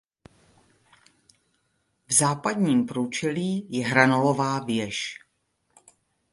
V západním průčelí je hranolová věž.